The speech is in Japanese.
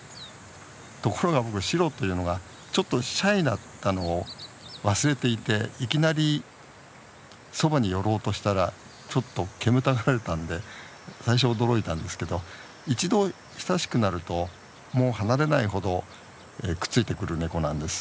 ところが僕しろっていうのがちょっとシャイだったのを忘れていていきなりそばに寄ろうとしたらちょっと煙たがられたんで最初驚いたんですけど一度親しくなるともう離れないほどくっついてくるネコなんです。